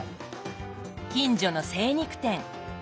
近所の精肉店。